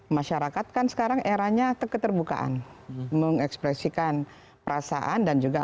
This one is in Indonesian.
masyarakat kan sekarang eranya keterbukaan mengekspresikan perasaan dan juga